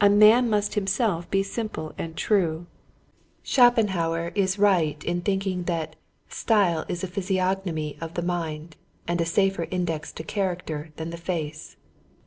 A man must him self be simple and true. Schopenhauer is right in thinking that "style is the physiognomy of the mind, and a safer index to character than the face."